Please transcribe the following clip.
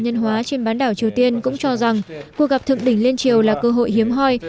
nhân hóa trên bán đảo triều tiên cũng cho rằng cuộc gặp thượng đỉnh liên triều là cơ hội hiếm hoi